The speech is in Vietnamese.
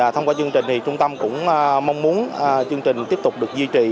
thông qua chương trình trung tâm cũng mong muốn chương trình tiếp tục được duy trì